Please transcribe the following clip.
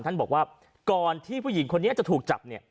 ท่านบอกว่าก่อนที่ผู้หญิงคนนี้จะถูกจับเนี่ย